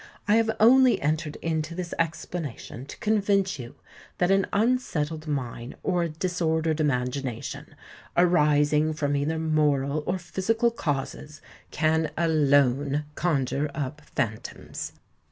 I have only entered into this explanation to convince you that an unsettled mind or a disordered imagination—arising from either moral or physical causes—can alone conjure up phantoms."